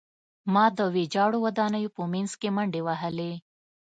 ما د ویجاړو ودانیو په منځ کې منډې وهلې